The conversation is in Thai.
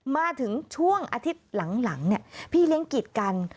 มาถึงช่วงอาทิตย์หลังพี่เลี้ยงกีดกัน